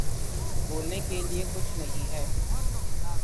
بولنے کے لیے کچھ نہیں ہے